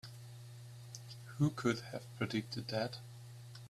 Who could have predicted that?